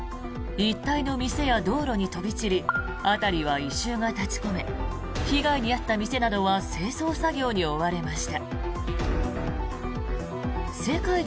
一帯の店や道路に飛び散り辺りには異臭が立ち込め被害に遭った店などは清掃作業に追われました。